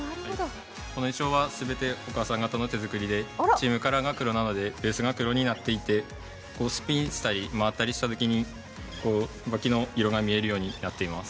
この衣装は全てお母さん方の手作りでチームカラーが黒なのでベースが黒になっていてスピンしたり回ったりしたときに脇の色が見えるようになっています。